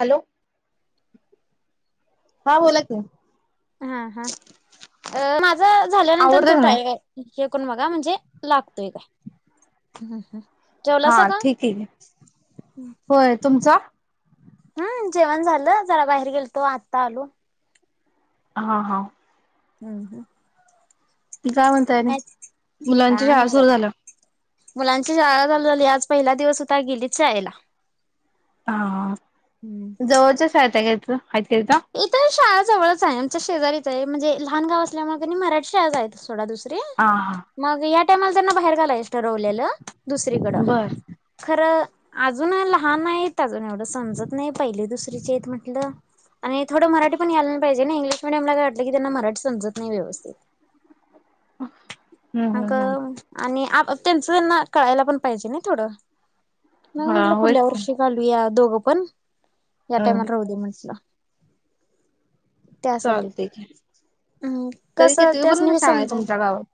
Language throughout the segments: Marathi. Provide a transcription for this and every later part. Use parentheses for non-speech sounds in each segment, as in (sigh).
हॅलो! हा बोलाकी. हा हा अ माझा झाल्यानंतर आवरलं तो का नाही टाईव ये तेकून बघा म्हणजे लागतोय का? ह् ह् हा जेवलासा ठीक ये, होय तुमचा? हम्म जेवण झाल जरा बाहेर गेलतो आत्ता आलो. हा हा हम्म हम्म ती काय म्हणताय आणि मुलांची काय शाळा नाही सुरू बघा झाली मुलांची शाळा चालू झाली आज पहिला दिवस होता गेलीच शाळेला हा जवळच्याच शाळेत आहे का इथं इतर शाळा जवळंच आहे आमच्या शेजारीच आहे म्हणजे लहान गाव असल्यामुळेळ म मराठी शाळाच आहे. थोडा दुसरे हा हा मग या टायमाला बाहेर घालायचं ठरवलेलं. दुसरीकड. बर खरं अजून लहान आहेत अजून एवढं समजत नाही पहिले दुसरीचे आहेत म्हटलं. आणि थोडं मराठी पण यायला नाही पाहिजे ना इंग्िश मिडियमला काय वाटलं की त्यांना मराठी समजत नाही व्यवस्थित. हम्म अग हम्म हम्म आणि त्यांचं त्यांना कळायला पण पाहिजे ना थोडं मग हा म्हटलं पुढल्या होयच की वर्षी घालूया दोघं पण या हम्म टायमाला राहू दे म्हटलं. त्यासाठी चालतंय की हम् कस तरी कितवी त्यास न पर्यंत मी शाळा आहे समजाेल तुमच्या गावात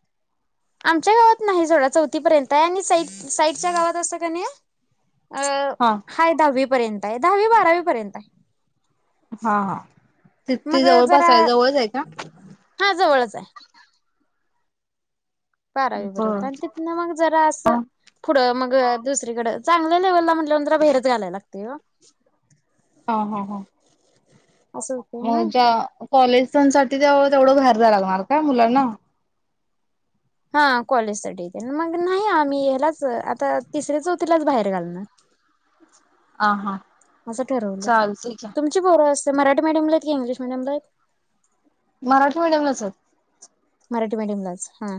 आमच्या गावात नाही सोडा चौथीपर्यंत आहे आणि साई साईडच्या गावात असं क नाही आहे. अं हा दहावी पर्यंत आहे दहावी बारावी पर्यंत आहे. हा हा मग ति जरा जवळपास आहे जवळच आहे का हा जवळच आहे बर बारावीपर्यंत आणि तिथन मग जरा हा असं. पुढं मग असं दुसरीकडे चांगले लेव्हलला नंतर बाहेरच घालायला लागते ओ. असं होते हो ना ज्या कॉलेजांसाठी ते तेवढं बाहेर जायला लागणार का मुलांना हा कॉलेजसाठीठी ते मग नाही आम्ही ह्यालाच आता तिसऱ्या चौथीलाच बाहेर घालणार हा हा असं ठरवलं चालतंय की तुमची पोर अस मराठी मिडीयम ला आहेत की इंग्लिश मीडियम ला आहेत. मराठी मीडियम लाच आहेत. मराठी मीडियमलाच हा.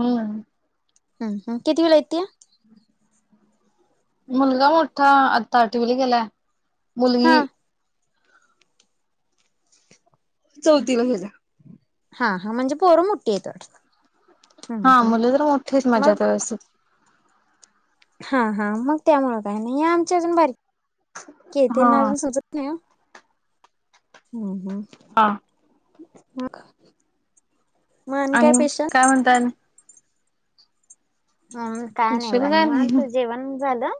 हम्म. हम्म हम् कितवीला आहे ती. मुलगा मोठा आता आठवीला गेलाय हा मुलगी. चौथीला गेल्या. हा हा म्हणजे पोर मोठी आहेत तर. हा मुलं तर मोठीच म्हणायचे त्यावेळेस. हा हा मग त्यामुळे काही नाही आमच्या अजून बारकी आहेत हा त्यांना अजून समजत नाही. ह ह हा. हा. ह मग आणि काय स्पेशल. काय म्हणताय आणि? हम का नाही बघा स्पेशल काय निवांत नाही. जेवण झालं.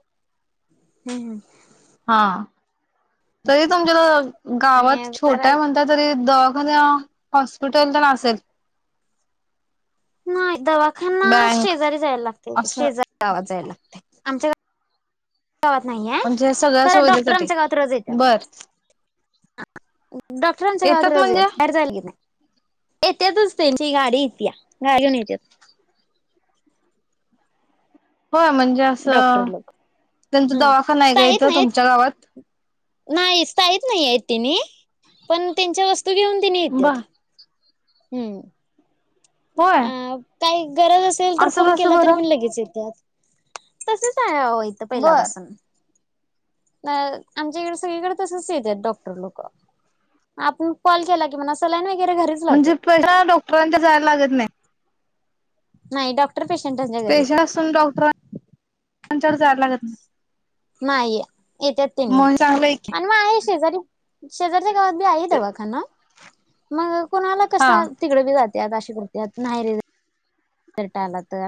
हा तरी तुमच्याला गावात आणि छोटा जरा आहे म्हणताय तरी. मग हॉस्पिटलतेन असेल नाही दवाखाना बँक शेजारी जायला लागते असं शेजारी गावात जायला लागते आमच्या गावात गावात नाही आहे म्हणजे सगळ्या खरं डॉक्टर सुविधेसाठी आमच्या गावात रोज येतात बर डॉक्टर म् आमच्या गावात रोज येतात बाहेर जायला लागत नाही येत्यातच त्यांची गाडी येत गाडी घेऊन येत होय म्हणजे डॉक्टर असं लोक त्यांचा हम् दवाखाना आहे का येत इथं नाही तुमच्या गावात नाही स्थायिक नाहीये तिने पण त्यांच्या वस्तू घेऊन तिने येत्या बर हम्म हो अ काही गरज असेल तर फोन केला तरी पण लगेच येतेत तस आहे ह इथं बर. पहिल्यापासून. अ आमच्या इकडे सगळीकडे तसच येतात डॉक्टर लोक. आपण कॉल केला कि म्हणा असलाय ना ही. म्हणजे पशा डॉक्टरांच्या जायला लागत नाही. नाही डॉक्टर पेशंटांच्या घरी येत. डॉक्टरांच्या कड चार हार लागत ना. नाही येत तेनी येत चांगलं आहे की. आणि माय शेजारी शेजारीच्या गावात बी आहे आहे दवाखाना. कोुणाला कस हा तिकड बी जात अशी करत नाही रे. टाला तर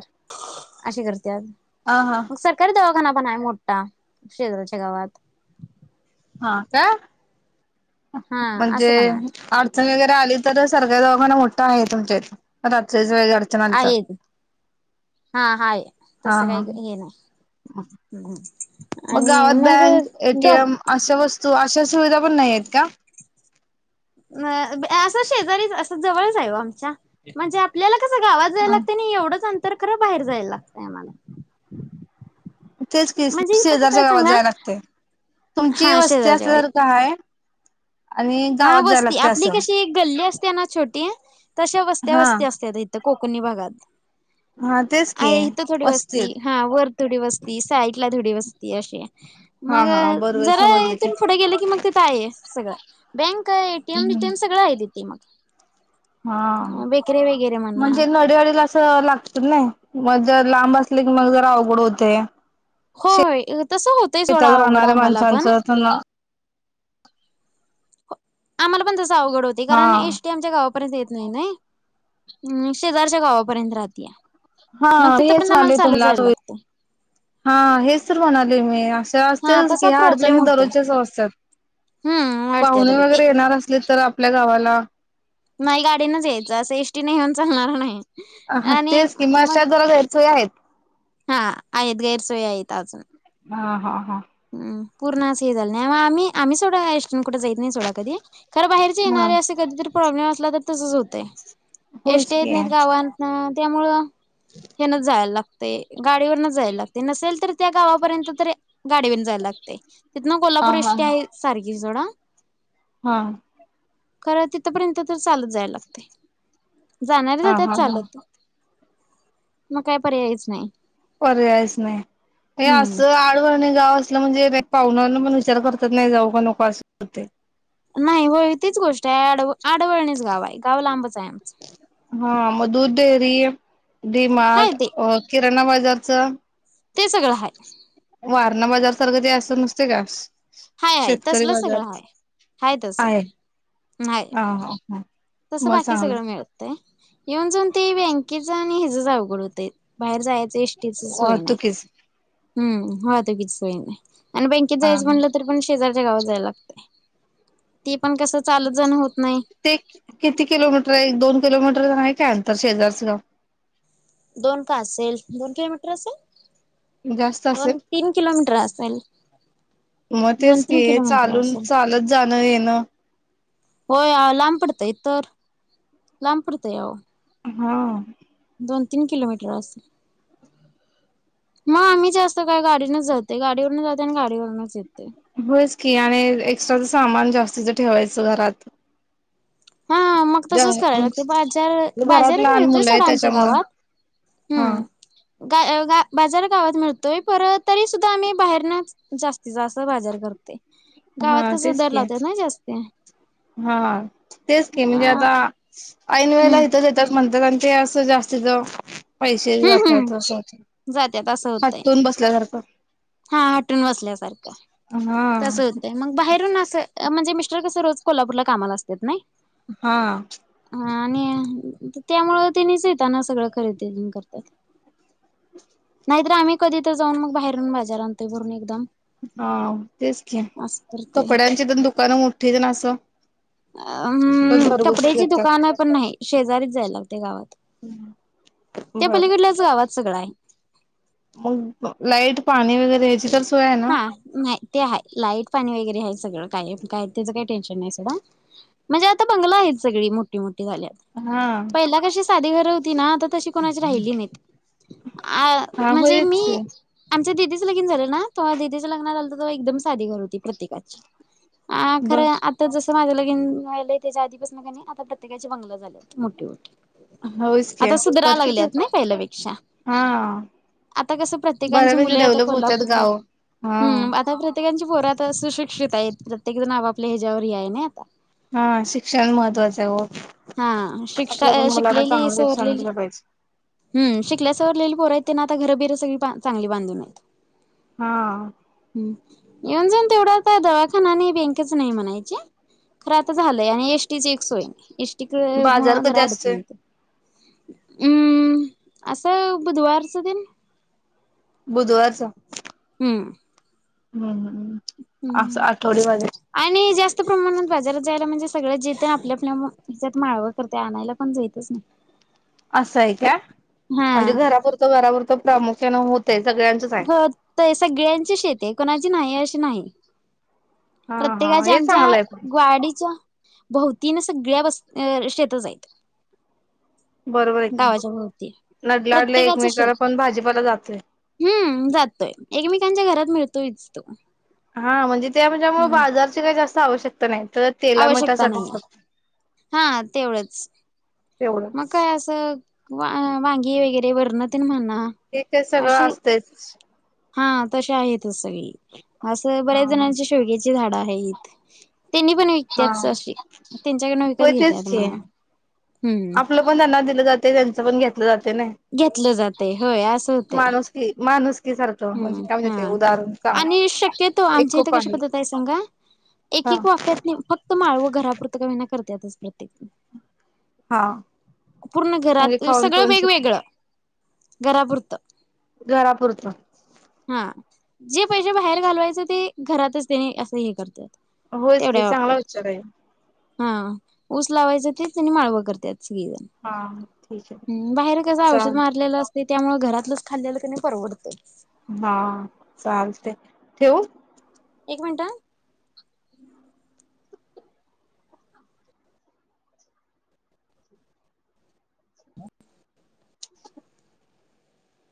असे करते आ हा हा मग सरकारी दवा खना पण आहे मोठा शेजऱाच्या गावात. हा का. हा म्हणजे असं पण आहे अडचणी वगैर. आली तर सगळ्या दघ मोठा आहे तुमच्या रातच इरच. अडचण आली तर. आहेत हा हाय हा तसं हा. काही हे नाही हम्. मग गावात बँक एटीएम अशा वस्तू अशा सुविधा पण नाही आहेत का. अ असं शेजारी अस जवळच आहे आमच्या म्हणजे आपल्याला. कस गावात जायला हा लागतं आणि एवढंच अंतर करा बाहेर जायला लागतय आम्हाला. तेच केस म्हणजे दुस इथं दर कसं आहे जगावाज सांगा जाय लागते.. तुमची हा वस्ती शेजारच्या असली बाई तर काय. हा वस्ती आपली कशी एक गल्ली असते. त्यांना छोटी तश्या वस्त्या हा वस्ती असत इथ कोकणी भागात. हा तेच की आहे इथ थोडी वस्तीत वस्ती हा वर थोडी वस्ती साईडला थोडी वस्ती अशी. हा मग हा बरोबर जरा समजले की इथून पुढे गेलं की मग ते आहे सगळं बँक. काय एटीएम टटीएम सगळं आहे तिथे मग. हा बेकरी वगैरे म्हणा म्हणजे नळीवडीला असं लागत नाही. मग जर लांब असले की मग जरा अवघड होते. हो तसं होतंय सोडा शेतात थोडा अवघडा राहणाऱ्या आम्हाला पण. माणसांचं त्यांना आमला पण तस अवघड होते हा कारण एष्टी आमच्या गावात. येत नाही नाही शेजारच्या गावापर्यंत राहत्या. हाच म्हणाले तुमला लागतय हा हेच तर म्हणाले मी अस. हा असत की तसा ह्या प्रॉब्लेम अडचणी होतोय. दररोजच्या स असत्या हम्म वाटत्यात पाहुणे होय वगैरे येणार असले. तर आपल्या गावाला. नाही गाडीनच यायचं एस टी नाहीऊन चालणार नाही. हा आणि तेच किंवा मग अशा जरा गैरचोय आहेत. हा आहेत गैरसोयी आहेत अजून. ह ह हा. हम पूर्ण अस हे झालं नाही आम्ही आम्ही सोडा एशटी कुठ जा यत नाही सोडा कधी. खर बाहेरचे हा येणारे असे कधीतरी प्रॉब्लेम असला तर तसच होतते. होयच एष्टे येत की नाहीत गावात त्यामुळं हेनच जायला लागत. ते गाडीवरन जायला लागते नसेल तर त्या गावापर्यंत तरी गाडीवर जायला लागतय.. तिथ ना हा कोल्हापूर हा एष्टी आहे सारखी सोडा. हा. खरं तिथपर्यंत तर चालत जायला लागते. हा जाणारचातात हा हा चालत मग काय पर्यायच नाही. पर्यायच नाही हे हम्म असं आडवळनी. जाऊ असलं म्हणजे पाहणारण विचार करतात नाही जाऊ का नको असं. नाही हो तीच गोष्ट आहे आड आडवळणीच गाव आहे गाव लांबच आहे आमचं. हा म दुध डेअरी डी हाय मार्ट ते अ किराणा बाजारच. ते सगळं आहेय. वारणा बाजार सारखंच ते असतं नुसतय कां. हाय हाय शेतकरी तसलं बाजार सगळं हाय हाय तसं आहे. नाही हा, हा, हा, तसं मग बाकी चांगलंय सगळंच मिळतंय. येऊन जाऊन ते बँकेच आणि हेच अवघड होतें बाहेर जाय एस्टीची सोय नाहीं वाहतुकीच हम्म वाहतुकीची सोय नाहीं. आणि बँकेत हा जायचं हा म्हटलं तरी पणं शेजारच्या गावांत जायला लागतय. ते पणं कसं चालतं जाणं होतं नाहीं. ते किती किलोमीटर एक दोन किलोमीटर आहे काय अंतर शेजारच. दोन कां असेल दोन किलोमीटर असेल. गाव जास्त असेल दोन तीनं किलोमीटर असेल. मंग दोन तेचं की तीन किलोमीटर चालूंन असेल. चालतं जाणं येणं. होय लांब पडतंय तर लांब पडतंय अहो. हा. दोन तीनं किलोमीटर असंल. मंग आम्हीं जास्तं काय गाडीनच जाते गाडीवरन जाते आणि गाडीवरूनच येतोय. होयच की आणि एक्स्ट्राच सामान जास्तीचं ठेवायचं घरांत हा मंग तसंच करायला लागते बाजार घरात बाजार लहान मिळतोय मुलं आहे सोडा आमच्या त्याच्यामुळं. गावांत. हा हम्म. गा बाजार गावांत मिळतोय परत तरी सुद्धां आम्हीं बाहेरून जास्तीत जास्तं बाजार भरतोय. गावांत हा कसं तेच दर की लावताय ना जास्तं. हा तेचं की म्हणजे आता ऐनवेळेला हम्म इथ तीतेचं म्हण. लंत अस अस जास्ती त (unintelligible) पैसे हम्म जातात हम्म असं जात्यात असं होतंय हाटून बसल्यासारखं. हा हटून बसल्यासारखं हा तसं होतं मंग बाहेरून असा. म्हणजे मिस्टर कसं रोज कोल्हापूरला कामाला असत्यातत नाहीं. हा. आणि त्यामुळं तेनीच येताना सगळंच खरेदी करता नाहीं तर आम्हीं कधीं तर जाऊंन मंग बाहेरून बाजार आणतोय भरून एकदम. हा तेच की असं घ्या करतोय. कपड्यांची पण दुकानं मोठीं ना असं. अ हम्म घरगुती कपड्यांची विकतात. दुकान पण नाही. शेजारीच जायला लागते गावांत त्या पलीकडल्याच गावांत सगळं आहे. मंग लाईट पाणी वगैरे याची तर. सोय आहे ना? हा नाही ते आहे लाईट पाणी वगैरे. काे नाही म्हणजे आता बंगलिआहेत संघ मोठीं मोठीं हा पहिल्या कशी साधी घरं होती ना आता तशी कोणाची राहिली नाहीत. अ हा म्हणजे मी होयच आमच्या दिदीच लगीन झालं नां. माझ्या दिदिच लगनाला अलतो तेव्हा एकमम सांधी घर होती प्रत्येकाचं ब खरं आता जसं माझ्या. लगिनी व्हायच त्यांच्या आधीपासून आता प्रत्येकाचे बंगले झाल्याचं मोठीं मोठीं. होयच की आता सुधरा परतीच लागल्यात नाहीं पहिल्यापेक्षा. हा आता कसं प्रत्येकांची बऱ्यापैकी मुले आता डेव्हलप होतात कोल्हापूरला गाव हा हम्म आता प्रत्येकची पोर आता सुशिक्षित आहेत प्रत्येक जणं आपल्या आपल्या ह्यांच्यावर हे आहे ना आता हा शिक्षण महत्वाचं आहे हो. हा शिक्षा आपल्या पण मुलांना शिकलेली चांगलं शिक्षण सवरलेली दिलं पाहिजे हम्मं शिकले सवरलेली पोरं आहेत तेनां आता घरबीर सगळी चांगली बांधून आहेत. हा येऊन जाऊंन तेवढ तर दवाखानाच आणि बँकेचं नाही म्हणायचे खरं आता झालंय आणि एस टी ची एक सोय नाय एस टी कळ बाजार मुळं कधी जरा अडचण असतोय येते. हूं असं बुधवारचा दिन बुधवारच. हम्म हं हं हं आणि जास् त प्रमाणात बाजारात जायला म्हणजे सगळ जेत आप आपल्या म माळव करत्यात आणायला पण जातच नाइ. असं आहे क्या म्हणजे घरापुरत घरापुरत प्रामुख्याने होते. हो, ते सगळ्यांची शेत आहे, कोणाची नाही अशी नाही. हा हा प्रत्येकाच्या हे आमच्या चांगलं आहे पण ग्वाडीच्या भवतीन सगळ्या वस शेतच आहेत. बरोबर आहे का गावाच्या भोवती नडलाडलं प्रत्येकाच शेत एकमेकाला हाय. पण भाजीपाला जातोय हम जातोय एकमेकांच्या घरात मिळतोच तो. हा म्हणजे त्या्यामु हम्म बाजारची काय जास्त आवश्यकता नाही. (unintelligible) आवश्यकता मिठासाठीच नाहीये, फक्त हा तेवढंच. मग तेवढंच काय अस, वा वांगी वगैरे वरणते म्हणणार- हे काय सगळं असतेच. हा तशा आहेतच सगळी. असं हा बऱ्याच हा जणांची शेवग्याची झाडं हाईत त्यांनी पण हा विकतच अशी त्यांच्याकड विकत होय तेच घेतात की मामा. आपलं पण त्यांना दिल जाते त्यांच पण घेतलं जा ना घेतलं जातय होय असं होतंय माणुस की माणुस हम्म हा आणि चांगलं शक्यतो आमच्या इथे कशी पद्धत आहे सांगा? एक हा एक वाफ्यातनी फक्त माळव घरापुरतं का होईना करत्याच प्रत्येक. हा पूर्ण म्हणजे घरात खाऊन सगळं पिऊन सुखी वेगवेगळ. घरापुरतं. घरापुरतं. हा जे पैसेे बाहेर घालवायचं ते घरातच त्यांनी अस हे करत. होयच की चांगला विचार हाय. हा ऊस लावायचं तेच त्यांनी माळव करतायेत. हा ठीक आहे श्रीवन बाहेर कस औषध चाल मारलेलं असते. (unintelligible) त्यामुळे घरातलंच खाल्लं की नाही परवडतय. ठेऊ? मिनिट